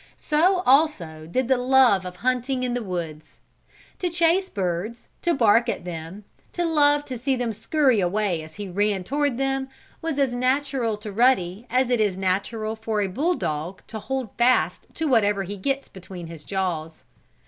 So, also, did the love of hunting in the woods. To chase birds, to bark at them, to love to see them scurry away as he ran toward them was as natural to Ruddy as it is natural for a bulldog to hold fast to whatever he gets between his jaws.